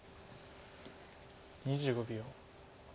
２５秒。